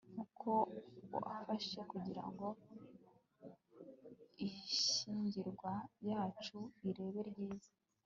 nkuko wafashe kugirango ishyingiranwa ryacu ribe ryiza